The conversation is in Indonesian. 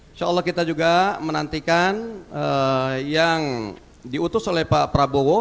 insya allah kita juga menantikan yang diutus oleh pak prabowo